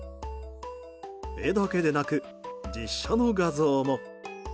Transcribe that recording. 絵だけでなく、実写の画像も。